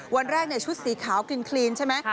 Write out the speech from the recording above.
วันแรกในชุดสีขาวกลิ่นใช่ไหม